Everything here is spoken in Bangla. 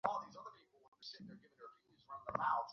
বিভার গলা ধরিয়া স্নেহের স্বরে কহিল, কী দেখিতেছিস বিভা?